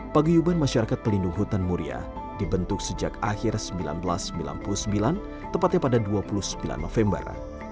paguyuban masyarakat pelindung hutan muria dibentuk sejak akhir seribu sembilan ratus sembilan puluh sembilan tepatnya pada dua puluh sembilan november